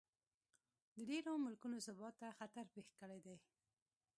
د ډېرو ملکونو ثبات ته خطر پېښ کړی دی.